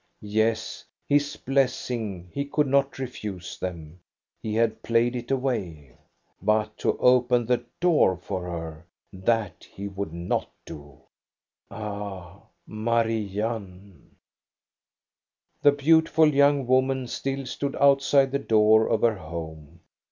Yes, his blessing he could not refuse them. He had played it away. But to open the door for her, that he would not do. Ah, Marianne ! The beautiful young woman still stood outside the door of her home.